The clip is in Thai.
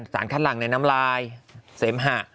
สารคัดหลังในน้ำลายเสมหะ